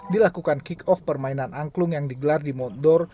dilakukan kick off permainan angklung yang digelar di moutdoor